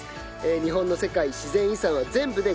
日本の世界自然遺産は全部で５か所。